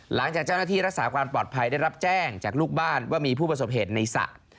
หลังจากเจ้าหน้าที่รักษาความปลอดภัยได้รับแจ้งจากลูกบ้านว่ามีผู้ประสบเหตุในสระ